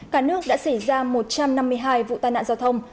cả nước đã xảy ra một trăm năm mươi hai vụ tai nạn giao thông